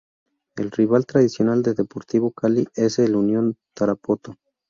El rival tradicional de Deportivo Cali es el Unión Tarapoto.